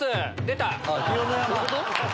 出た！